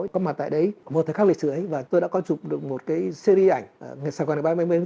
có mặt tại đấy một thời khắc lịch sử ấy và tôi đã coi chụp được một cái series ảnh sài gòn ngày ba mươi tháng bốn